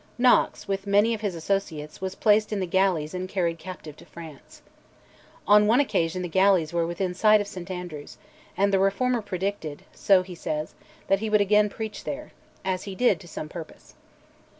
Knox, with many of his associates, was placed in the galleys and carried captive to France. On one occasion the galleys were within sight of St Andrews, and the Reformer predicted (so he says) that he would again preach there as he did, to some purpose.